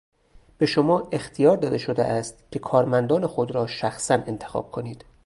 به شما اختیار داده شده است که کارمندان خود را شخصا انتخاب کنید.